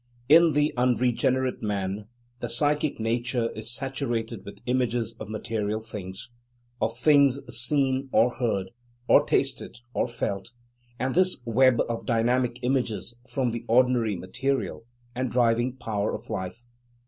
In the unregenerate man, the psychic nature is saturated with images of material things, of things seen, or heard, or tasted, or felt; and this web of dynamic images forms the ordinary material and driving power of life.